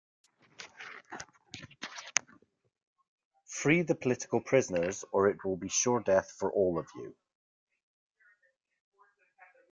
Free the political prisoners, or it will be sure death for all of you.